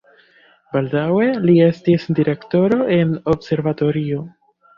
Baldaŭe li estis direktoro en observatorio.